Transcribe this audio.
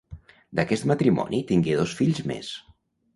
D'aquest matrimoni tingué dos fills més.